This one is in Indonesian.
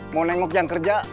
mau nengok yang kerja